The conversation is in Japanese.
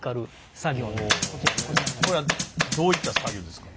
これはどういった作業ですか？